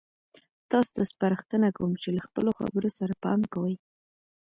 تاسو ته سپارښتنه کوم چې له خپلو خبرو سره پام کوئ.